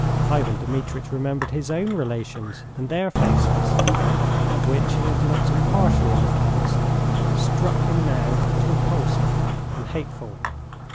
Ivan Dmitritch remembered his own relations, and their faces, at which he had looked impartially in the past, struck him now as repulsive and hateful.